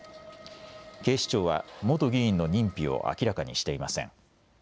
警視庁は元議員の認否を明らかにしていません。